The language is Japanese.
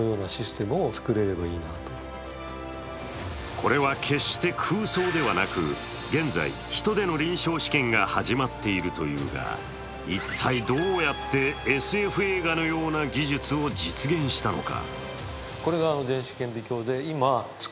これは決して空想ではなく現在、人での臨床試験が始まっているというが一体どうやってＳＦ映画のような技術を実現したのか。